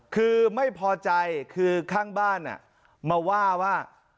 คือไม่พอใจคือข้างบ้านมาว่าว่า